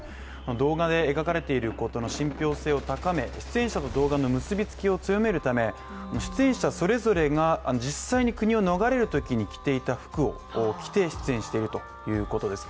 動画で描かれていることの信憑性を高め、出演者と動画の結びつきを強めるため出演者それぞれが実際に国を逃れるときに着ていた服を着て出演しているということです